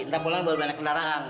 ntar pulang baru banyak kendaraan